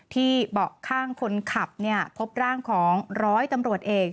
เบาะข้างคนขับพบร่างของร้อยตำรวจเอก